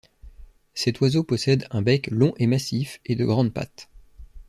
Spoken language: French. Cet oiseau possède un bec long et massif et de grandes pattes.